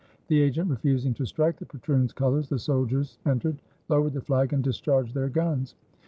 The agent refusing to strike the patroon's colors, the soldiers entered, lowered the flag, and discharged their guns.